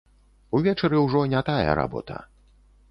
Увечары ўжо не тая работа.